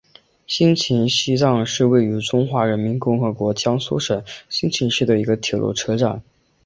新沂西站是位于中华人民共和国江苏省新沂市的一个铁路车站。